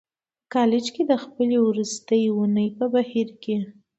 په کالج کې د خپلې وروستۍ اونۍ په بهیر کې